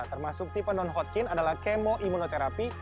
termasuk tipe non hotkin adalah kemo imunoterapi